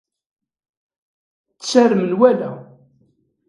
Tter menwala.